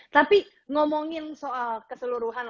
tapi ngomongin soal keseluruhan